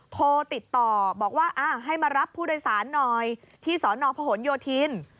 โทรติดต่อบอกว่าให้มารับผู้โดยสารหน่อยที่สนพหนโยธิน